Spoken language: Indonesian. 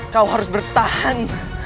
kau harus bertahan